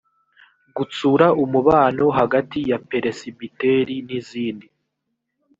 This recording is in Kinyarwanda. gutsura umubano hagati ya peresibiteri n’izindi